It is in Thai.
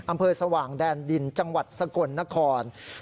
อำเภอสว่างแดนดินจังหวัดสกลนคร